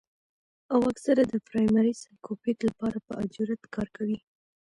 او اکثر د پرائمري سايکوپېت له پاره پۀ اجرت کار کوي